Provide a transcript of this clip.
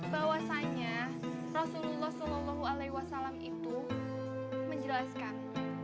bahwasanya rasulullah sallallahu alaihi wasallam itu menjelaskan